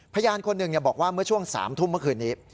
พยานคนหนึ่งบอกว่าเมื่อช่วง๓ทุ่มเมื่อคืนนี้